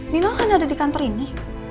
nino kan ada di kantor ini